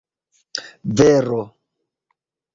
vero